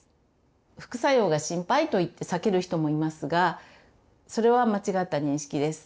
副作用が心配と言って避ける人もいますがそれは間違った認識です。